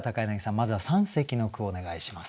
まずは三席の句をお願いします。